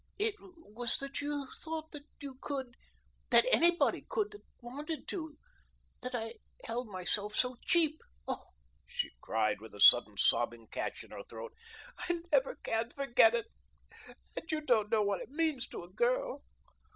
"It was that you thought that you could that anybody could that wanted to that I held myself so cheap. Oh!" she cried, with a sudden sobbing catch in her throat, "I never can forget it, and you don't know what it means to a girl."